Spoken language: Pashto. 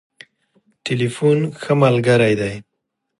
ټليفون ښه ملګری دی.